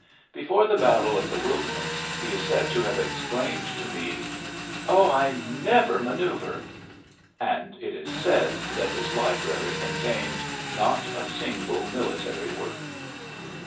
Be fore the battle of the Wilderness he is said to have exclaimed to Meade, "Oh, I never manceuvre!" And it is said that his library contained not a single military work.